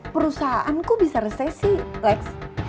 perusahaanku bisa resesi lex